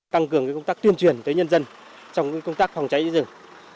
tăng cường công tác tuyên truyền tới nhân dân trong công tác phòng cháy rừng